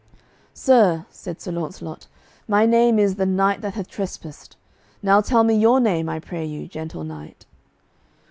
"Sir," said Sir Launcelot, "my name is 'The knight that hath trespassed.' Now tell me your name, I pray you, gentle knight."